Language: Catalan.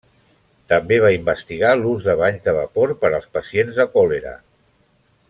També va investigar l'ús de banys de vapor per als pacients de còlera.